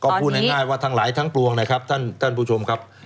ก็พูดง่ายว่าทั้งหลายทั้งปวงนะครับท่านผู้ชมครับ